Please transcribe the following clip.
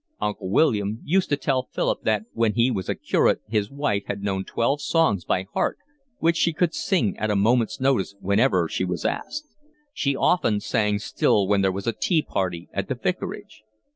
Uncle William used to tell Philip that when he was a curate his wife had known twelve songs by heart, which she could sing at a moment's notice whenever she was asked. She often sang still when there was a tea party at the vicarage.